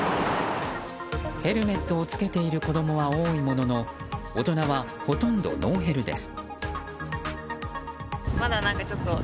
ヘルメットを着けている子供は多いものの大人は、ほとんどノーヘルです。